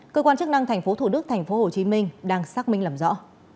cơ quan chức năng thành phố thủ đức thành phố hồ chí minh đang xác minh làm rõ